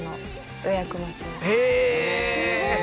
すごい！